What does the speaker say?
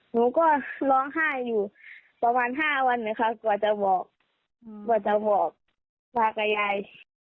หนูก็ร้องไห้อยู่ประมาณ๕วันนะคะกว่าจะบอกว่าจะบอกตากับยาย